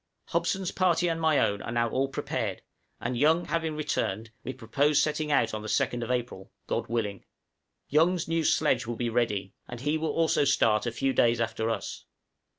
Hobson's party and my own are now all prepared, and Young having returned, we propose setting out on the 2d April God willing. Young's new sledge will be ready, and he will also start a few days after us.